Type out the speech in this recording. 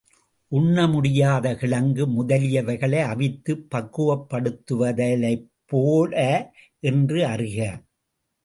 உண்ண முடியாத கிழங்கு முதலியவைகளை அவித்துப் பக்குவப்படுத்துதலைப்போல என்று அறிக.